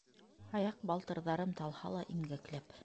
Аяҡ балтырҙарым талһа ла, имгәкләп...